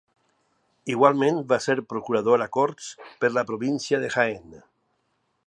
Igualment va ser procurador a Corts per la província de Jaén.